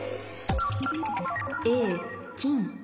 Ａ金